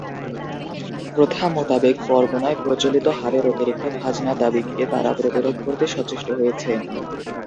প্রথা মোতাবেক পরগনায় প্রচলিত হারের অতিরিক্ত খাজনা দাবিকে তারা প্রতিরোধ করতে সচেষ্ট হয়েছে।